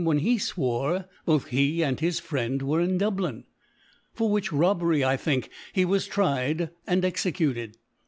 3 when ( i8i ) when he fwore both he and his Friend were in Dublin: For which Robbery, I think, he was tried and executed.